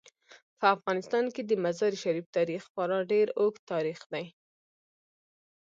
په افغانستان کې د مزارشریف تاریخ خورا ډیر اوږد تاریخ دی.